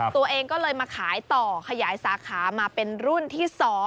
ตัวเองก็เลยมาขายต่อขยายสาขามาเป็นรุ่นที่๒